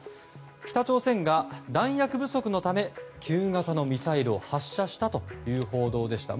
北朝鮮が弾薬不足のため旧型のミサイルを発射したという報道でした。